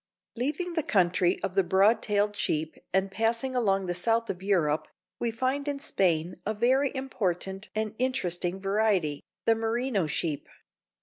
Leaving the country of the broad tailed sheep and passing along the south of Europe, we find in Spain a very important and interesting variety, the Merino sheep.